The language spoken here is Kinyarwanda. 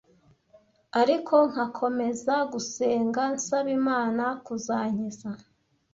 ariko nkakomeza gusenga nsaba Imana kuzankiza